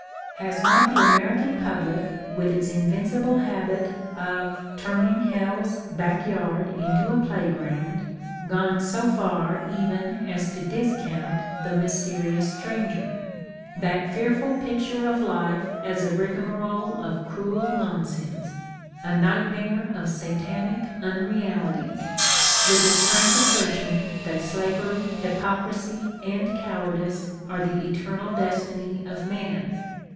Has not the American public, with its invincible habit of *' turning hell's back yard into a playground," gone so far even as to discount "The Mysterious Stranger," 8 The Ordeal of Mark Twain that fearful picture of life as a rigmarole of cruel non: sense, a nightmare of Satanic unrealities, with its frank assertion that slavery, hypocrisy and cowardice are the eternal destiny of man?